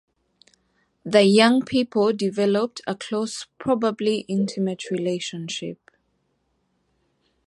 The young people developed a close, probably intimate relationship.